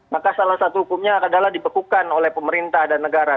maka salah satu hukumnya adalah dibekukan oleh pemerintah dan negara